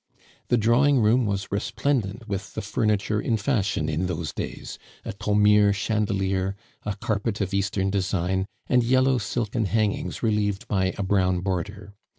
The drawing room was resplendent with the furniture in fashion in those days a Thomire chandelier, a carpet of Eastern design, and yellow silken hangings relieved by a brown border.